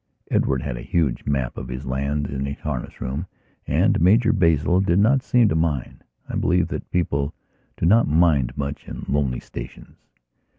Edward had a huge map of his lands in his harness room and Major Basil did not seem to mind. I believe that people do not mind much in lonely stations.